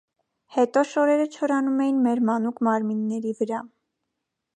Հետո շորերը չորանում էին մեր մանուկ մարմինների վրա։